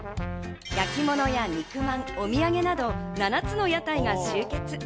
焼き物や肉まん、お土産など、７つの屋台が集結。